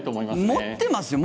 持ってますよね。